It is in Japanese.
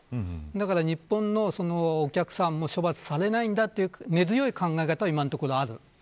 だから日本のお客さんも処罰されないんだという根強い考え方が今のところある。